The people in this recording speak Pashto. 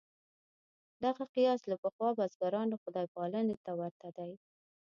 دغه قیاس له پخوا بزګرانو خدای پالنې ته ورته دی.